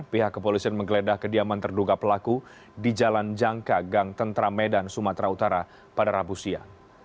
pihak kepolisian menggeledah kediaman terduga pelaku di jalan jangka gang tentra medan sumatera utara pada rabu siang